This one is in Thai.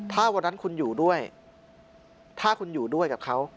ถ้าวันนั้นคุณอยู่ด้วยถ้าคุณอยู่ด้วยกับเขา